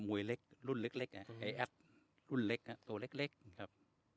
มวยเล็กรุ่นเล็กเล็กอ่ะไอแอสภูทรรุ่นเล็กอ่ะตัวเล็กเล็กครับ